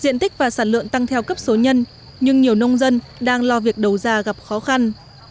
diện tích và sản lượng tăng theo cấp số nhân nhưng nhiều nông dân đang lo việc đầu ra gặp khó khăn